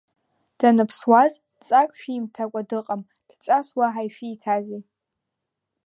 Даныԥсуаз дҵак шәимҭакәа дыҟам дҵас уаҳа ишәиҭазеи?